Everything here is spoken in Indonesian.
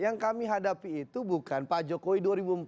yang kami hadapi itu bukan pak jokowi dua ribu empat belas